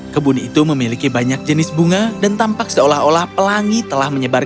kebun itu memiliki banyak jenis bunga dan tampak seolah olah pelangi telah menyebar